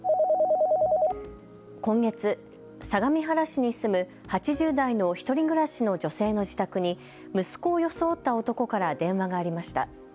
今月、相模原市に住む８０代の１人暮らしの女性の自宅に息子を装った男から電話がありました。